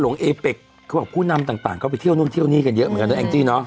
เนอะพุนินต์ต่างก็ไปเที่ยวเนื่องเที่ยวนี้กันเยอะเหมือนกันนะเอจริย์เนาะ